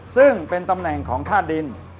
ซึ่งเป็นตำแหน่งของธาตุดิน